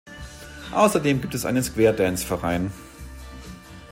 Außerdem gibt es einen Square-Dance-Verein.